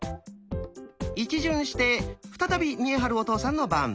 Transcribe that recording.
一巡して再び見栄晴お父さんの番。